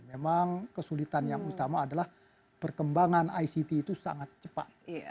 memang kesulitan yang utama adalah perkembangan ict itu sangat cepat